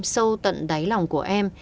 sâu tận đáy lòng của em